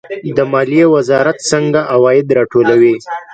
د مالیې وزارت څنګه عواید راټولوي؟